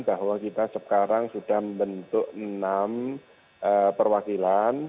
bahwa kita sekarang sudah membentuk enam perwakilan